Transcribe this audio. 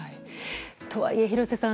とはいえ、廣瀬さん。